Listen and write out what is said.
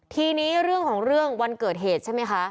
ทีนี้เรื่องของเรื่องวันเกิดเหตุใช่ไหมคะ